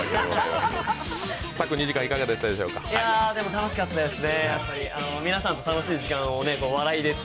楽しかったですね。